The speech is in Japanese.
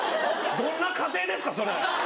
どんな家庭ですかそれ！